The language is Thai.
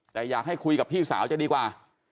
แต่อยากให้คุยกับพี่สาวจะดีกว่า